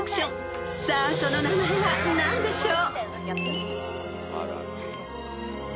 ［さあその名前は何でしょう？］